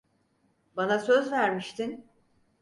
Bana söz vermiştin!